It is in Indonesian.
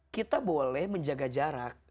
kita boleh menjaga jarak